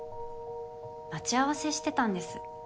待ち合わせしてたんです。